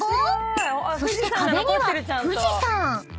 ［そして壁には富士山］